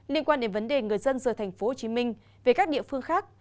liên quan đến vấn đề người dân rời tp hcm về các địa phương khác